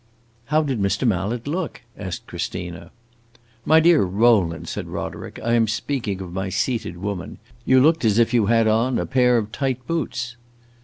"How did Mr. Mallet look?" asked Christina. "My dear Rowland," said Roderick, "I am speaking of my seated woman. You looked as if you had on a pair of tight boots."